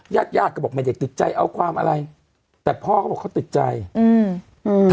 ญาติญาติก็บอกไม่ได้ติดใจเอาความอะไรแต่พ่อเขาบอกเขาติดใจอืมอืม